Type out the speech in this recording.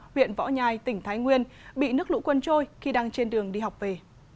huyện võ nhai tỉnh thái nguyên bị nước lũ quân trôi khi đang trên đường đi học về